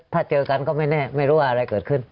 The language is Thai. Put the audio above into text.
ถ้าเจอกันก็ไม่แน่ไม่รู้ว่าอะไรเกิดขึ้น